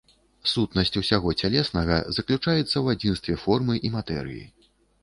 Сутнасць усяго цялеснага заключаецца ў адзінстве формы і матэрыі.